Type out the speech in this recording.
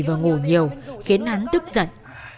và ngủ nhiều khiến hắn tức giận